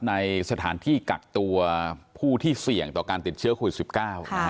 ในสถานที่กักตัวผู้ที่เสี่ยงต่อการติดเชื้อโควิดสิบเก้า